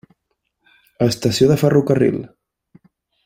Estació de ferrocarril.